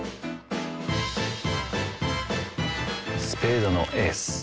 スペードのエース。